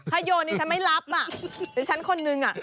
ถ้าโยนอยู่ฉันไม่รับอ่ะหรือฉันคนนึงอ่ะ